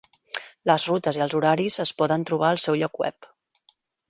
Les rutes i els horaris es poden trobar al seu lloc web.